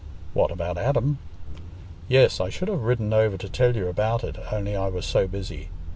"What, about Adam?" "Yes; I should have ridden over to tell you about it, only I was so busy.